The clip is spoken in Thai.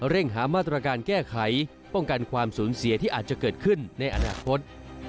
เร่งหามาตรการแก้ไขป้องกันความสูญเสียที่อาจจะเกิดขึ้นในอนาคต